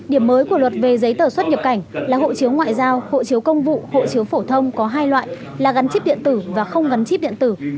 điểm mới của luật về giấy tờ xuất nhập cảnh là hộ chiếu ngoại giao hộ chiếu công vụ hộ chiếu phổ thông có hai loại là gắn chip điện tử và không gắn chip điện tử